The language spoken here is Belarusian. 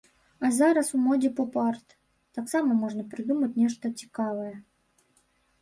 А зараз у модзе поп-арт, таксама можна прыдумаць нешта цікавае.